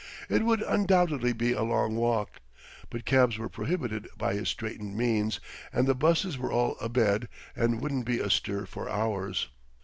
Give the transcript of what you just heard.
It would undoubtedly be a long walk, but cabs were prohibited by his straitened means, and the busses were all abed and wouldn't be astir for hours.